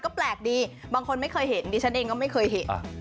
ก็แปลกดีบางคนไม่เคยเห็นดิฉันเองก็ไม่เคยเห็น